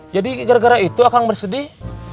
jadi gara gara itu kang bersedih